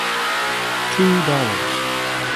“Two dollars”.